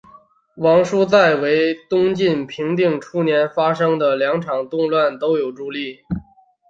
王舒在为东晋平定初年发生的两场动乱都有助力。